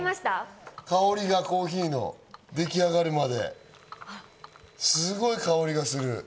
香りが、コーヒーのでき上がるまで、すごい香りがする。